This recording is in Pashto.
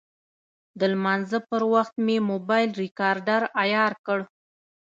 د لمانځه پر وخت مې موبایل ریکاډر عیار کړ.